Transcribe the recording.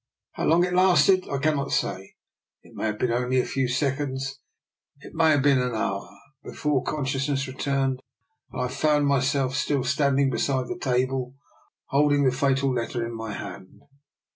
How long it lasted I cannot say; it may have been only a few sec DR. NIKOLA'S EXPERIMENT. 7 onds — it may have been an hour — before con sciousness returned and I found myself still standing beside the table, holding the fatal letter in my hand.